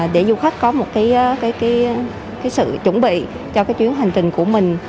để du khách có một cái sự chuẩn bị cho cái chuyến hành trình của mình